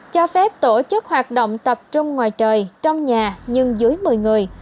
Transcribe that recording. cho phép tổ chức hoạt động tập trung ngoài trời trong nhà nhưng dưới một mươi người